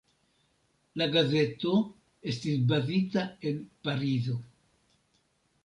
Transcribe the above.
La gazeto estis bazita en Parizo.